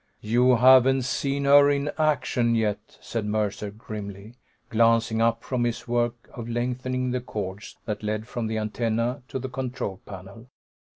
"You haven't seen her in action yet," said Mercer grimly, glancing up from his work of lengthening the cords that led from the antennae to the control panel.